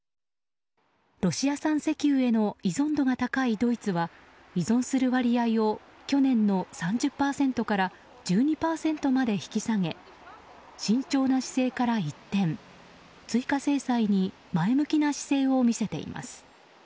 ロシア産石油への依存度が高いドイツは依存する割合を去年の３０％から１２％まで引き下げ慎重な姿勢から一転追加制裁に前向きな姿勢を見せています。